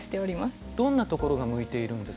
どんなところが向いているんですか？